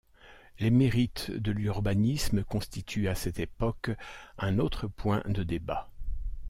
Les mérites de l'urbanisme constituent à cette époque un autre point de débat.